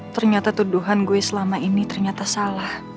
ternyata tuduhan gue selama ini ternyata salah